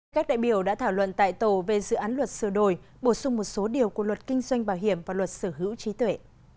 các đại biểu đã thảo luận tại tổ về dự án luật sửa đổi bổ sung một số điều của luật kinh doanh bảo hiểm và luật sở hữu trí tuệ